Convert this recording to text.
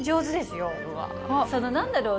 そのなんだろう？